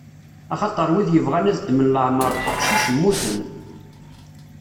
Axaṭer wid yebɣan ad ddmen leɛmeṛ n uqcic, mmuten.